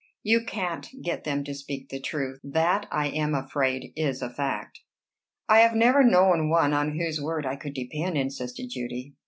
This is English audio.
"You can't get them to speak the truth." "That I am afraid is a fact." "I have never known one on whose word I could depend," insisted Judy.